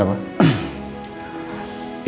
hanya ingin dari saya